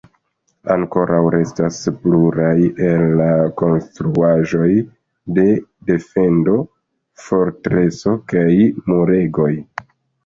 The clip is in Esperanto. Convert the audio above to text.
Ankoraŭ restas pluraj el la konstruaĵoj de defendo: fortreso kaj muregoj.